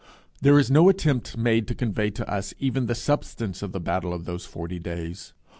There is no attempt made to convey to us even the substance of the battle of those forty days.